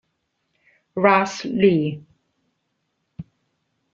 Russ Lee